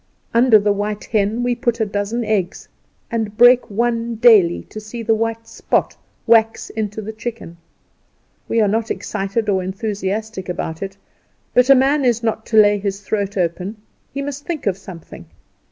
Under the white hen we put a dozen eggs, and break one daily, to see the white spot wax into the chicken. We are not excited or enthusiastic about it; but a man is not to lay his throat open, he must think of something.